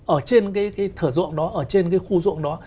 ở trên cái thở ruộng đó ở trên cái khu ruộng đó